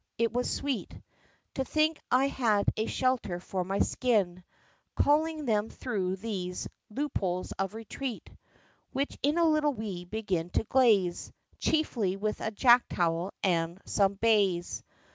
it was sweet To think I had a shelter for my skin, Culling them through these "loopholes of retreat" Which in a little we began to glaze Chiefly with a jacktowel and some baize!